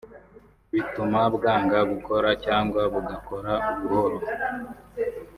bituma bwanga gukora cyangwa bugakora buhoro